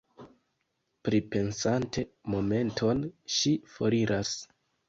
Pripensante momenton, ŝi foriras.